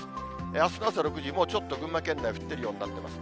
あすの朝６時、もうちょっと群馬県内、降ってるようになってます。